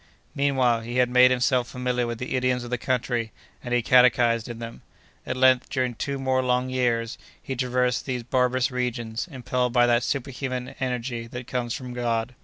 Meanwhile, he had made himself familiar with the idioms of the country, and he catechised in them. At length, during two more long years, he traversed these barbarous regions, impelled by that superhuman energy that comes from God.